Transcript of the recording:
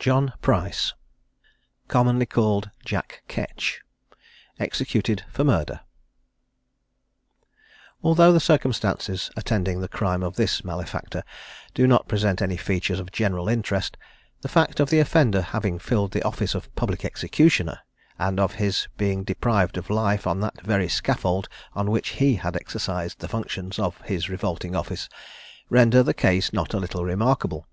JOHN PRICE. COMMONLY CALLED JACK KETCH, EXECUTED FOR MURDER. Although the circumstances attending the crime of this malefactor do not present any features of general interest, the fact of the offender having filled the office of public executioner, and of his being deprived of life on that very scaffold on which he had exercised the functions of his revolting office, render the case not a little remarkable.